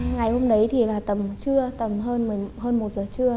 ngày hôm đấy thì là tầm trưa tầm hơn một giờ trưa